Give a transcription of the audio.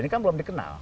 ini kan belum dikenal